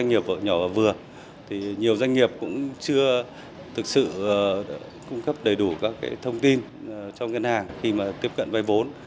những doanh nghiệp nhỏ và vừa nhiều doanh nghiệp cũng chưa thực sự cung cấp đầy đủ các thông tin cho ngân hàng khi tiếp cận vay vốn